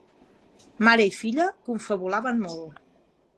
Mare i filla confabulaven molt.